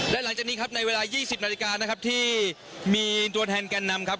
และหลังจากนี้ครับในเวลา๒๐นาฬิกานะครับที่มีตัวแทนแก่นนำครับ